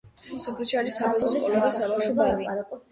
სოფელში არის საბაზო სკოლა და საბავშვო ბაღი.